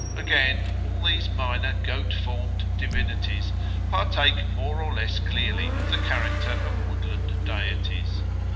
Again, all these minor goat formed divinities partake more or less clearly of the character of woodland deities.